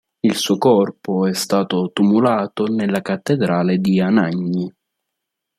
Il suo corpo è stato tumulato nella cattedrale di Anagni.